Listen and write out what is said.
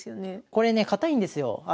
これね堅いんですよ。